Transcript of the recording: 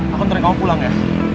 aku tadi kamu pulang ya